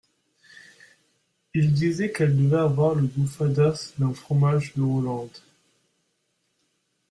il disait qu’elle devait avoir le goût fadasse d’un fromage de Hollande.